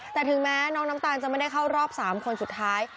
แต่ถึงแม้น้องน้ำตาลจะไม่ได้เข้ารอบ๓คนสุดท้าย